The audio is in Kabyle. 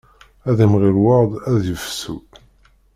Ad d-imɣi lweṛd ad yefsu.